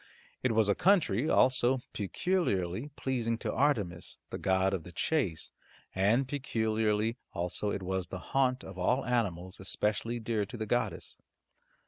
It was a country also peculiarly pleasing to Artemis, the goddess of the chase, and peculiarly also it was the haunt of all animals especially dear to the goddess.